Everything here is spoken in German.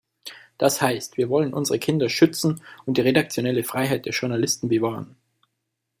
Das heißt, wir wollen unsere Kinder schützen und die redaktionelle Freiheit der Journalisten bewahren.